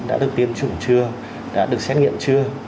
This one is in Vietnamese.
đã được tiêm chủng chưa đã được xét nghiệm chưa